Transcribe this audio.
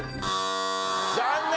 残念！